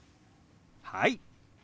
はい！